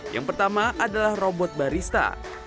yang pertama adalah robot barista